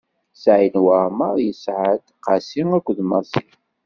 Saɛid Waɛmeṛ yesɛa-d: Qasi akked Massi.